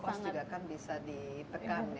dan dari segi cost juga kan bisa dipekan ya